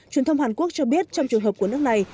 truyền thông hàn quốc cho biết trong trường hợp của nước này